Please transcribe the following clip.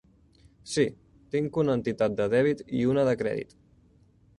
Sí, tinc una entitat de dèbit i una de crèdit.